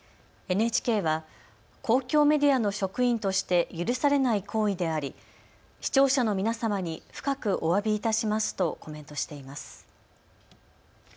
ＮＨＫは公共メディアの職員として許されない行為であり視聴者の皆様に深くおわびいたしますとコメントしています。